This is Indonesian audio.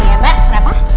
iya mbak kenapa